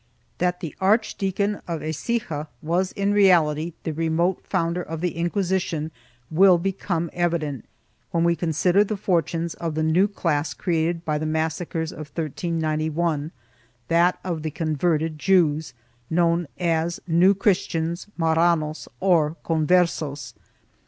That the Archdeacon of Ecija was in reality the remote founder of the Inquisition will become evident when we consider the for tunes of the new class created by the massacres of 1391 — that of / the converted Jews, known as New Christians, Marranos or Con / versos.